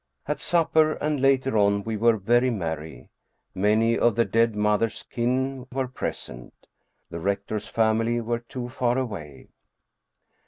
At supper and later on we were very merry. Many of the dead mother's kin were present. The rector's family were too far away.